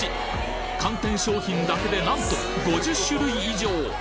寒天商品だけでなんと５０種類以上！